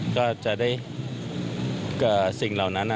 ก็จะได้สิ่งเหล่านั้น